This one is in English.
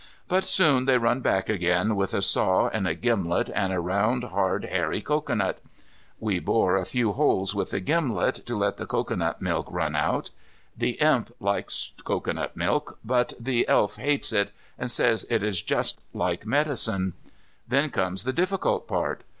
But soon they run back again, with a saw and a gimlet, and a round, hard, hairy cocoanut. We bore a few holes with the gimlet, to let the cocoanut milk run out. The Imp likes cocoanut milk, but the Elf hates it, and says it is just like medicine. Then comes the difficult part.